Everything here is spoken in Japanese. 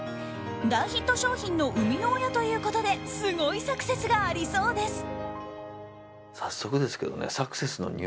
大ヒット商品の生みの親ということですごいサクセスがありそうです。